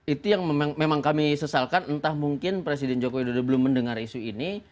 itu yang memang kami sesalkan entah mungkin presiden jokowi belum mendengar isu ini